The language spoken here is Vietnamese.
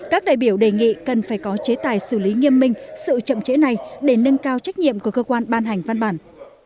các đại biểu đề nghị cần phải có chế tài xử lý nghiêm minh sự chậm chế này để nâng cao trách nhiệm của cơ quan ban hành văn bản